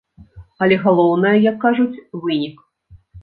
Але галоўнае, як кажуць, вынік.